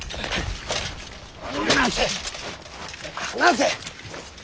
離せ離せ！